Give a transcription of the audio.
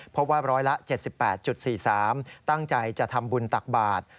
พบว่าร้อยละ๗๘๔๓ตั้งใจจะทำบุญตักบาท